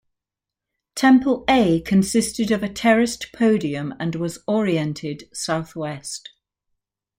Temple A consisted of a terraced podium and was oriented southwest.